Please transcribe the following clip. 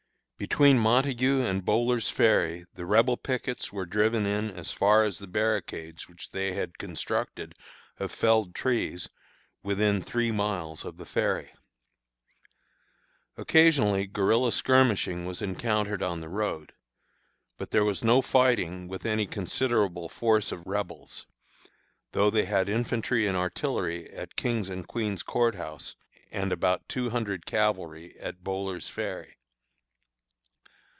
"Between Montague and Bowler's Ferry the Rebel pickets were driven in as far as the barricades which they had constructed of felled trees, within three miles of the ferry. "Occasionally guerilla skirmishing was encountered on the road; but there was no fighting with any considerable force of the Rebels, though they had infantry and artillery at Kings and Queens Court House and about two hundred cavalry at Bowler's Ferry.